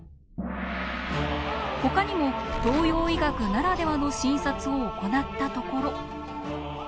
ほかにも東洋医学ならではの診察を行ったところ。